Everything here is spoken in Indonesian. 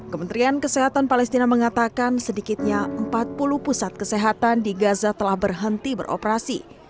kementerian kesehatan palestina mengatakan sedikitnya empat puluh pusat kesehatan di gaza telah berhenti beroperasi